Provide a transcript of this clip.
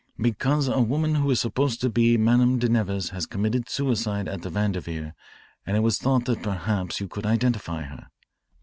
"Because a woman who is supposed to be Madame de Nevers has committed suicide at the Vanderveer and it was thought that perhaps you could identify her."